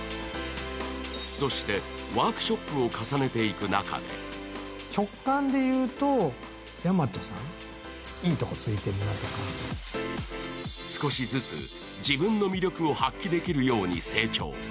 そして、ワークショップを重ねていく中で少しずつ自分の魅力を発揮できるように成長。